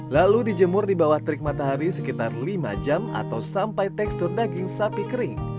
lalu dijemur di bawah terik matahari sekitar lima jam atau sampai tekstur daging sapi kering